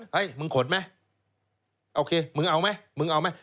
มึงขนไหมโอเคมึงเอาไหมมึงเอาไหม